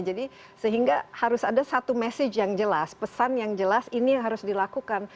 jadi sehingga harus ada satu message yang jelas pesan yang jelas ini harus dilakukan